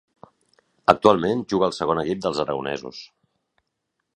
Actualment juga al segon equip dels aragonesos.